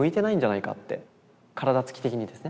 体つき的にですね。